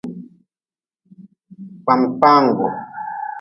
Kpakpangu.